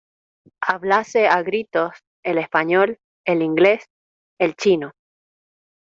hablase a gritos el español, el inglés , el chino.